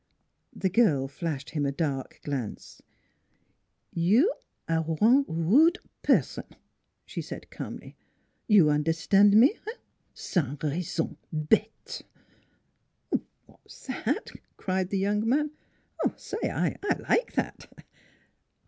The girl flashed him a dark glance. " You aire one rude person," she said calmly. "You un'erstan' me eh? Sans raison bete!" " What's that? " cried the young man. " Say! I like that!"